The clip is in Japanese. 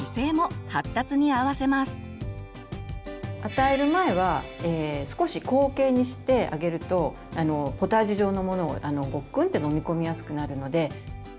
与える前は少し後傾にしてあげるとポタージュ状のものをごっくんって飲み込みやすくなるので。